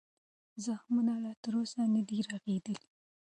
زخمونه لا تر اوسه نه دي رغېدلي.